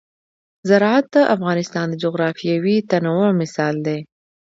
زراعت د افغانستان د جغرافیوي تنوع مثال دی.